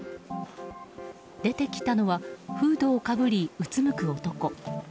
出てきたのはフードをかぶり、うつむく男。